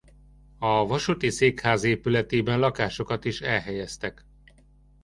A vasúti székház épületében lakásokat is elhelyeztek.